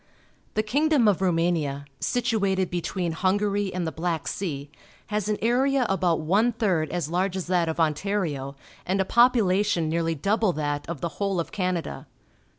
— The king dom of Rumania, situated between Hungary and the Black Sea, has an area about one third as large as that of Ontario and a popula tion nearly double thatof the whole of Canada.